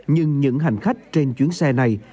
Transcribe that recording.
nhưng những hành khách trên chuyến xe này